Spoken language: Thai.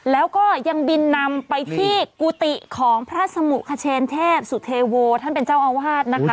แล้วก็ยังบินนำไปที่กุฏิของพระสมุขเชนเทพสุเทโวท่านเป็นเจ้าอาวาสนะคะ